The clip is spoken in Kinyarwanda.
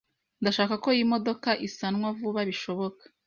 Ndashaka ko iyi modoka isanwa vuba bishoboka.